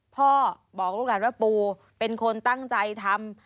พ่อบอกลูกหลานว่าปูเป็นคนตั้งใจทำ